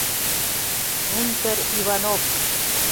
Унтер Иванов.